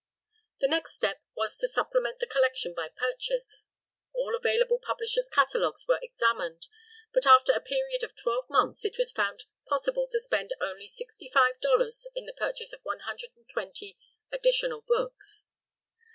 The next step was to supplement the collection by purchase. All available publishers' catalogues were examined, but after a period of twelve months it was found possible to spend only $65.00 in the purchase of 120 additional books.